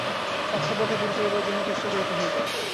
স্বার্থপরতা দূর করিবার জন্য চেষ্টা করিতে হইবে।